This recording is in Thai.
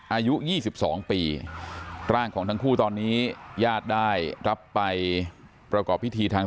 อายุ๒๒ปีร่างของทั้งคู่ตอนนี้ญาติได้รับไปประกอบพิธีทาง